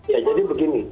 ya jadi begini